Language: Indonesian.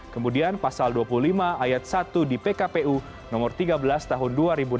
kemudian pasal dua puluh lima ayat satu di pkpu nomor tiga belas tahun dua ribu enam belas